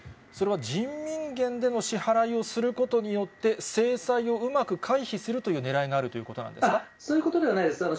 それは、人民元での支払いをすることによって、制裁をうまく回避するというねらいがあるといそういうことではないです。